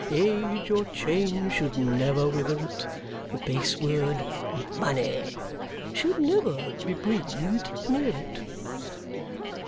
Age or change should never wither it. The base word money should never be breathed near it!"